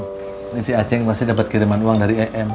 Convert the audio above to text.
kum ini si aceh yang pasti dapet kiriman uang dari em